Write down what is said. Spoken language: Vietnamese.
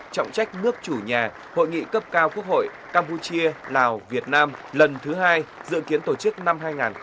trọng trách nước chủ nhà hội nghị cấp cao quốc hội campuchia lào việt nam lần thứ hai dự kiến tổ chức năm hai nghìn hai mươi